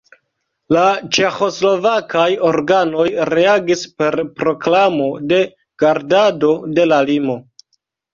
La ĉeĥoslovakaj organoj reagis per proklamo de gardado de la limo.